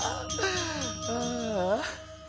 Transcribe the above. ああ。